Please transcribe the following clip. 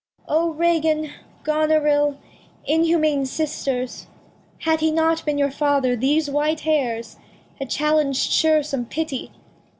O Regan, Gonerill Inhumane Sisters, Had he not been your Father, these white Hairs Had challeng'd sure some Pity